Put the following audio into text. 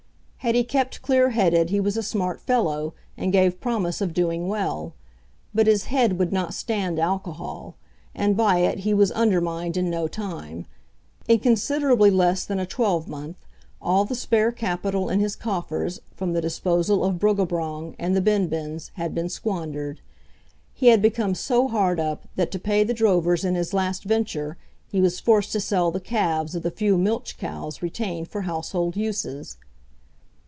Had he kept clear headed he was a smart fellow, and gave promise of doing well, but his head would not stand alcohol, and by it he was undermined in no time. In considerably less than a twelvemonth all the spare capital in his coffers from the disposal of Bruggabrong and the Bin Bins had been squandered. He had become so hard up that to pay the drovers in his last venture he was forced to sell the calves of the few milch cows retained for household uses.